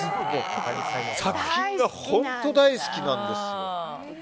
作品が本当に大好きなんですね。